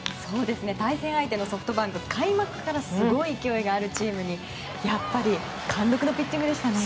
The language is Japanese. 対戦相手のソフトバンク開幕からすごい勢いがあるチームにやっぱり貫禄のピッチングでしたね。